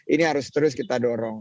ini harus terus kita dorong